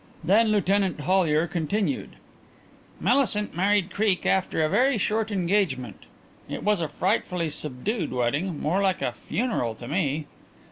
Then Lieutenant Hollyer continued: "Millicent married Creake after a very short engagement. It was a frightfully subdued wedding more like a funeral to me.